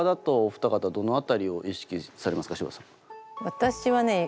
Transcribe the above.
私はね